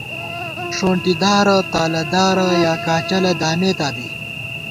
ݭونٹی دارہ ، تالہ دارہ یا کاچَلہ دامېتا بی